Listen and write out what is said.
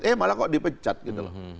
eh malah kok dipecat gitu loh